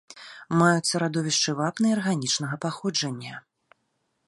Маюцца радовішчы вапны арганічнага паходжання.